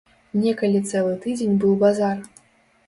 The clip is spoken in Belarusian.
Некалі цэлы тыдзень быў базар.